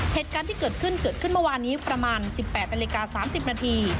เหตุการณ์ที่เกิดขึ้นเกิดขึ้นเมื่อวานนี้ประมาณ๑๘นาฬิกา๓๐นาที